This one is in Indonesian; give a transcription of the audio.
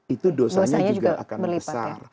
itu dosanya juga akan besar